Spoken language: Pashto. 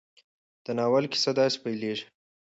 د ناول کیسه داسې پيلېږي.